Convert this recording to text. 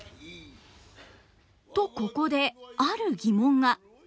とここである疑問が。